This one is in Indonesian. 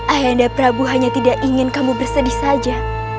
ayah anda prabu hanya tidak ingin kamu bersedih saja